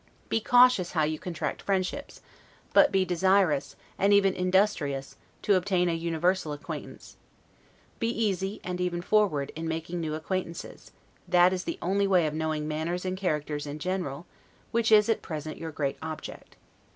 Be cautious how you contract friendships, but be desirous, and even industrious, to obtain a universal acquaintance. Be easy, and even forward, in making new acquaintances; that is the only way of knowing manners and characters in general, which is, at present, your great object.